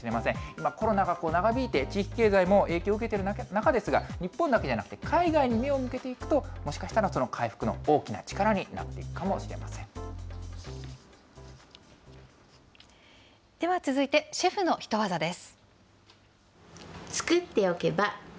今、コロナが長引いて、地域経済も影響受けている中ですが、日本だけでなく、海外に目を向けていくと、もしかしたら、回復の大きでは続いて、シェフのヒトワザです。